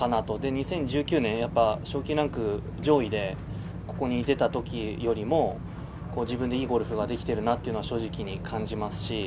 ２０１９年、賞金ランク上位でここに出た時よりも自分でいいゴルフができているなというのは正直、感じますし